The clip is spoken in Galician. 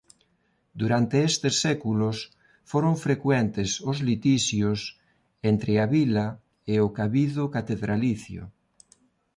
Durante estes séculos foron frecuentes os litixios entre a vila e o cabido catedralicio.